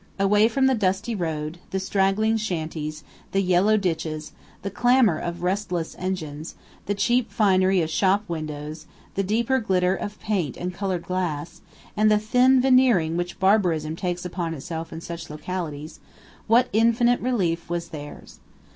Away from the dusty road, the straggling shanties, the yellow ditches, the clamor of restless engines, the cheap finery of shop windows, the deeper glitter of paint and colored glass, and the thin veneering which barbarism takes upon itself in such localities what infinite relief was theirs!